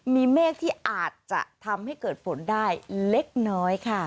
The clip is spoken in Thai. มีเมฆที่อาจจะทำให้เกิดฝนได้เล็กน้อยค่ะ